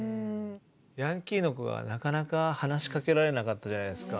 ヤンキーの子がなかなか話しかけられなかったじゃないですか。